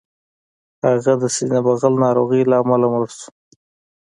هغه د سینې بغل ناروغۍ له امله مړ شو